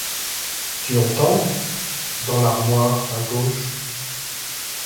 Tu entends? dans l’armoire à gauche...